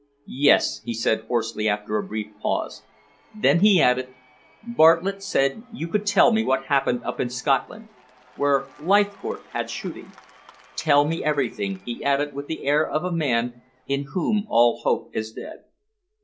"Yes," he said hoarsely, after a brief pause. Then he added: "Bartlett said you could tell me what happened up in Scotland, where Leithcourt had shooting. Tell me everything," he added with the air of a man in whom all hope is dead.